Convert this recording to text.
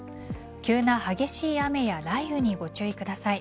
急な激しい雨や雷雨にご注意ください。